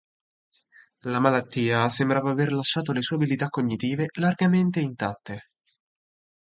La malattia sembrava aver lasciato le sue abilità cognitive largamente intatte.